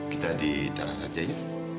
kita di teras aja ya